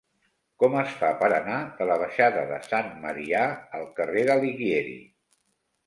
Com es fa per anar de la baixada de Sant Marià al carrer d'Alighieri?